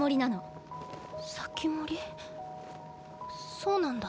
そうなんだ。